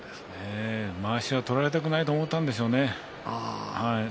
まわしを取られたくないと思ったんでしょうね。